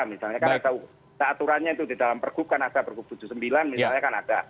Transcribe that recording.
misalnya kan ada aturannya itu di dalam pergub kan ada pergub tujuh puluh sembilan misalnya kan ada